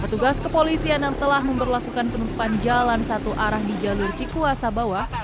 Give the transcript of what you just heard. petugas kepolisian yang telah memperlakukan penutupan jalan satu arah di jalur cikuasa bawah